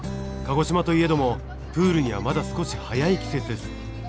鹿児島といえどもプールにはまだ少し早い季節です。